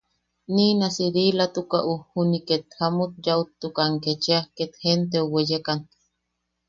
Niina Siriilatukaʼu juni ket jamut yaʼutukan kechia, ket jenteu weyekan.